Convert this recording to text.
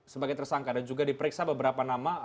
sebagai tersangka dan juga diperiksa beberapa nama